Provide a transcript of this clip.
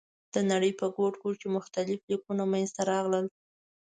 د نړۍ په ګوټ ګوټ کې مختلف لیکونه منځ ته راغلل.